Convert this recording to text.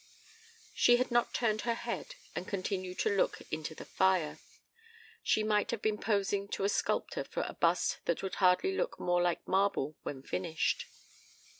She had not turned her head and continued to look into the fire. She might have been posing to a sculptor for a bust that would hardly look more like marble when finished.